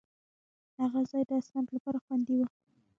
هغه ځای د اسنادو لپاره خوندي و.